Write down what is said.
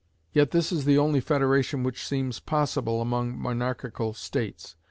Yet this is the only federation which seems possible among monarchical states.